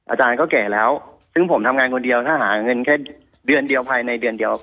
อาจารย์ก็แก่แล้วซึ่งผมทำงานคนเดียวถ้าหาเงินแค่เดือนเดียวภายในเดือนเดียว